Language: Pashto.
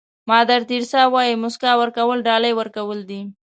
مادر تریسیا وایي موسکا ورکول ډالۍ ورکول دي.